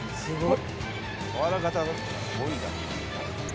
すごい！